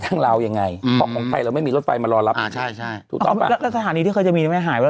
ตรงนี้มันไม่ผ่านเลยใช่